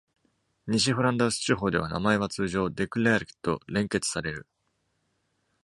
西フランダース地方では、名前は通常 Declerck と連結される。